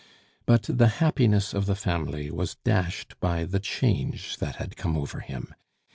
But the happiness of the family was dashed by the change that had come over him.